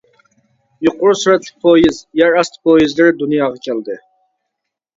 يۇقىرى سۈرەتلىك پويىز، يەر ئاستى پويىزلىرى دۇنياغا كەلدى.